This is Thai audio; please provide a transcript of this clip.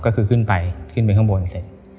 ก็คือขึ้นไปขึ้นไปข้างบนเสร็จ